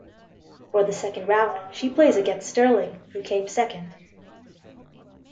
For the second round, she plays against Sterling, who came second.